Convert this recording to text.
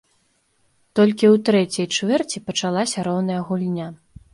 Толькі ў трэцяй чвэрці пачалася роўная гульня.